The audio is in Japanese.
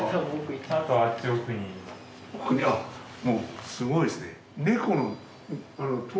もうすごいですね。